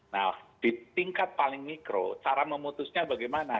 nah di tingkat paling mikro cara memutusnya bagaimana